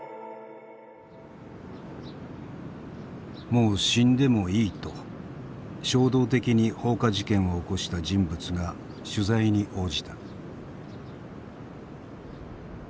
もう死んでもいいと衝動的に放火事件を起こした人物が取材に応じた。